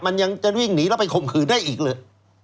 มันยังจะวิ่งหนีแล้วไปข่มขืนได้อีกเลย